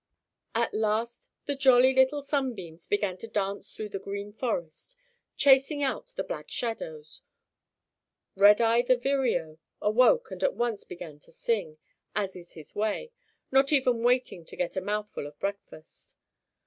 At last the Jolly Little Sunbeams began to dance through the Green Forest, chasing out the Black Shadows. Redeye the Vireo awoke and at once began to sing, as is his way, not even waiting to get a mouthful of breakfast.